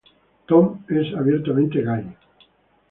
Tom es abiertamente gay.